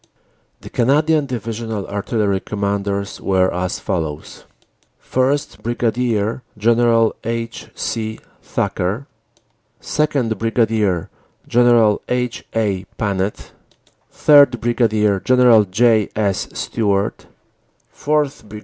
The Canadian Divisional Artillery Commanders were as follows: 1st, Brig. General H. C. Thacker; 2nd., Brig. General H. A. Panet; 3rd., Brig. General J. S. Stewart; 4th., Brig.